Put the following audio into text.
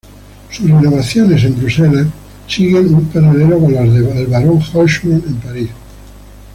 Sus renovaciones en Bruselas siguen un paralelo con las del Barón Haussmann en París.